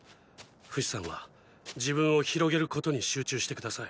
フシさんは自分を広げることに集中して下さい。